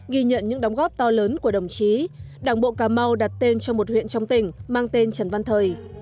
ghi nhận những đóng góp to lớn của đồng chí đảng bộ cà mau đặt tên cho một huyện trong tỉnh mang tên trần văn thời